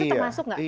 itu termasuk gak